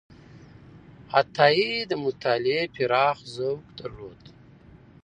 عطایي د مطالعې پراخ ذوق درلود.